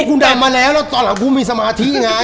คุณดันมาแล้วตอนหลังคุณมีสมาธิไง